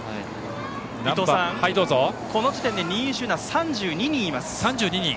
伊藤さん、この時点で２位集団は３２人います。